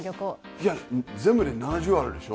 いや全部で７０あるでしょ。